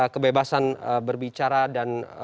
kebebasan berbicara dan